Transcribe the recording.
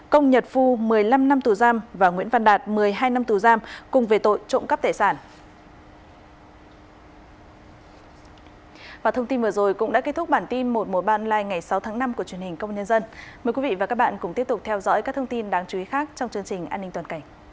công nhật phu một mươi năm năm tù giam và nguyễn văn đạt một mươi hai năm tù giam cùng về tội trộm cắp tài sản